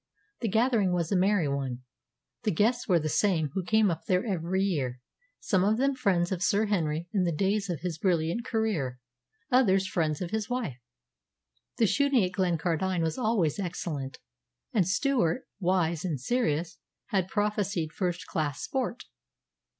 The gathering was a merry one. The guests were the same who came up there every year, some of them friends of Sir Henry in the days of his brilliant career, others friends of his wife. The shooting at Glencardine was always excellent; and Stewart, wise and serious, had prophesied first class sport.